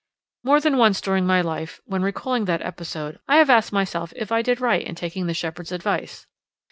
More than once during my life, when recalling that episode, I have asked myself if I did right in taking the shepherd's advice?